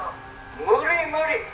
無理無理！